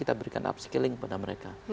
kita berikan upskilling kepada mereka